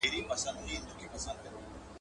• څوک وايي څه شي وخورم، څوک وايي په چا ئې وخورم.